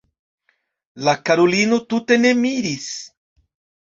La karulino tute ne miris.